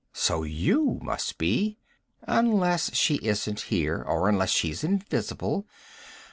So you must be. Unless she isn't here. Or unless she's invisible.